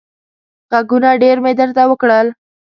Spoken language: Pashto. غږونه ډېر مې درته وکړل.